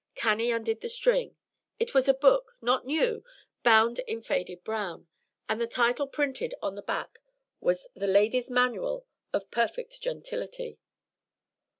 Cannie undid the string. It was a book, not new, bound in faded brown; and the title printed on the back was "The Ladies' Manual of Perfect Gentility."